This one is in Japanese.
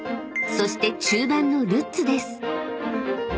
［そして中盤のルッツです］